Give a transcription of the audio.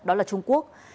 đó là trung quốc